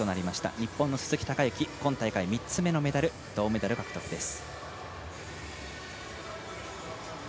日本の鈴木孝幸、今大会３つ目のメダル、銅メダルです。